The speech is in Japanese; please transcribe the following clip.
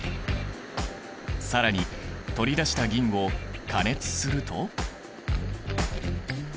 更に取り出した銀を加熱すると。